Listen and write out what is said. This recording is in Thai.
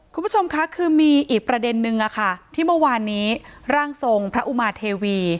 คุณผู้ชมคะคือมีอีกประเด็นนึงที่เมื่อวานนี้ร่างทรงพระอุมาเทวี